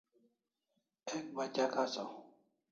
Ek batyak asaw